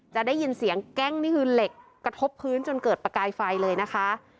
จะได้ยินเสียงแกล้งนี่คือเหล็กกระทบพื้นจนเกิดประกายไฟเลยนะคะ